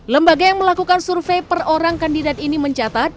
lembaga yang melakukan survei per orang kandidat ini mencatat